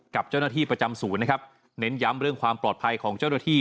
กับเจ้าหน้าที่ประจำศูนย์นะครับเน้นย้ำเรื่องความปลอดภัยของเจ้าหน้าที่